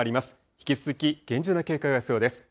引き続き厳重な警戒が必要です。